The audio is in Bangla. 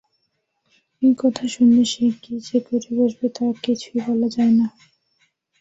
এ কথা শুনলে সে কী যে করে বসবে তা কিছুই বলা যায় না।